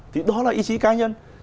thì đó là ý chí cá nhân